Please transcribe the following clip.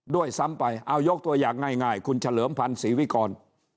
ด้วยซ้ำไปเอายกตัวอย่างง่ายคุณเฉลิมพันธ์ศรีวิกร